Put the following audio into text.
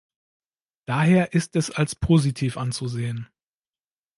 Daher ist es als positiv anzusehen.